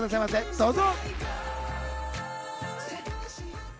どうぞ！